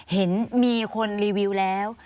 เห็นมีคนรีวิวแล้ว